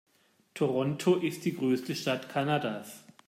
Toronto ist die größte Stadt Kanadas.